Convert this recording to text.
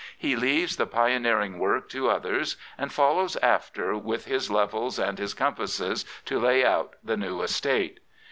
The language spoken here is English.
He leaves the pioneering work to others and follows after with his levels and his compasses to lay out the new estate.